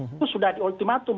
itu sudah di ultimatum